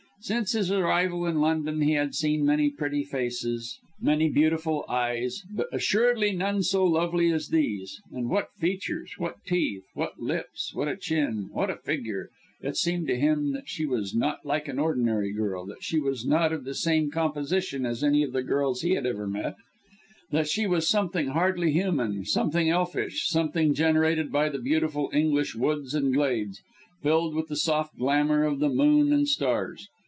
Since his arrival in London, he had seen many pretty faces, many beautiful eyes, but assuredly none so lovely as these. And what features! what teeth! what lips! what a chin! what a figure! It seemed to him that she was not like an ordinary girl, that she was not of the same composition as any of the girls he had ever met; that she was something hardly human something elfish, something generated by the beautiful English woods and glades, filled with the soft glamour of the moon and stars.